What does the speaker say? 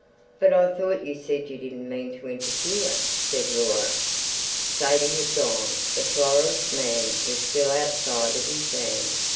"But I thought you said you didn't mean to interfere," said Laura. Sadie had gone. The florist's man was still outside at his van.